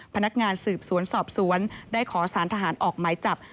พนักงานสืบสวนสอบสวนได้ขอสารทหารออกหมายจับ